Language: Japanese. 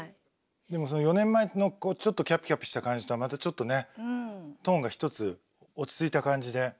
でも４年前のちょっとキャピキャピした感じとはまたちょっとねトーンが一つ落ち着いた感じで。